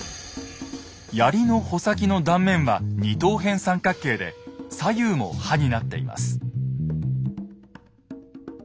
槍の穂先の断面は二等辺三角形で左右も刃になっています。